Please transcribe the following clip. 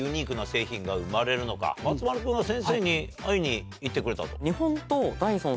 松丸君が先生に会いに行ってくれたと。